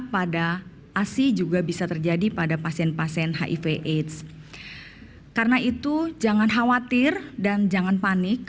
pada asi juga bisa terjadi pada pasien pasien hiv aids karena itu jangan khawatir dan jangan panik